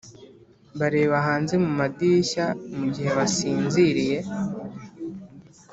bareba hanze mu madirishya mugihe basinziriye